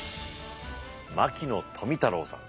牧野富太郎さん。